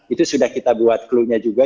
itu sudah kita buat clue nya juga